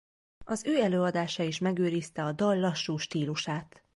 Az ő előadása is megőrizte a dal lassú stílusát.